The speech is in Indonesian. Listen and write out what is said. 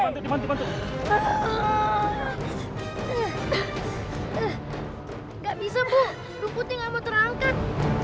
nggak bisa bu rumputnya nggak mau terangkat